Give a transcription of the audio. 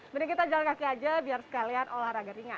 mending kita jalan kaki aja biar sekalian olahraga ringan